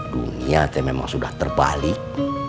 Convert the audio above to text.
dunia memang sudah terbalik